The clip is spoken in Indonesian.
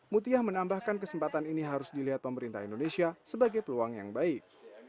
mutia menambahkan kesempatan ini harus dilihat pemerintah indonesia sebagai peluang yang baik